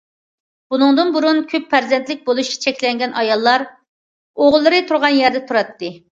بۇنىڭدىن بۇرۇن، كۆپ پەرزەنتلىك بولۇشى چەكلەنگەن ئاياللار ئوغۇللىرى تۇرغان يەردە تۇراتتى.